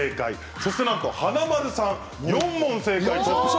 そしてなんと華丸さん４問正解トップ賞。